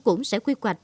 cũng sẽ quy hoạch